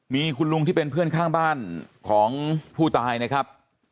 มีคุณลุงที่เป็นเพื่อนข้างบ้านของผู้ตายนะครับ